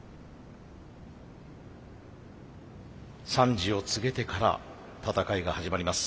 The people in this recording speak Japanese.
３時を告げてから戦いが始まります。